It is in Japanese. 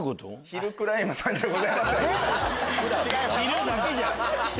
ヒルだけじゃん。